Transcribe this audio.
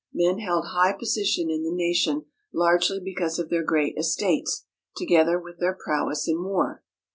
Men held high position in the nation largely because of their great estates together with their prowess in war.